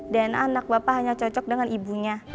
anak bapak hanya cocok dengan ibunya